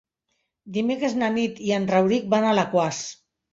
Dimecres na Nit i en Rauric van a Alaquàs.